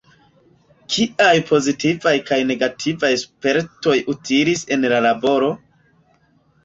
Kiaj pozitivaj kaj negativaj spertoj utilis en la laboro?